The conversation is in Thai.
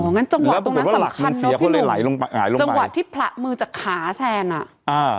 อ๋องั้นจังหวะตรงนั้นสำคัญเนอะพี่หนุ่มจังหวะที่ผละมือจากขาแทนอ่ะ